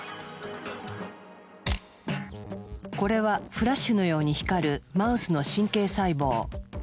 これはフラッシュのように光るマウスの神経細胞。